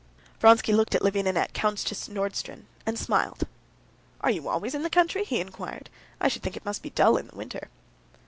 Vronsky looked at Levin and Countess Nordston, and smiled. "Are you always in the country?" he inquired. "I should think it must be dull in the winter."